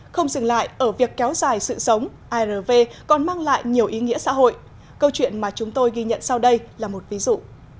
không dừng lại ở việc kéo dài sự sống irv còn mang lại nhiều ý nghĩa xã hội câu chuyện mà chúng tôi ghi nhận sau đây là một ví dụ